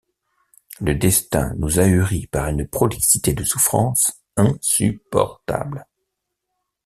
Le destin nous ahurit par une prolixité de souffrances insupportables.